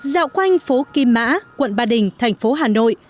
dạo quanh phố kim mã quận ba đình thành phố hà nội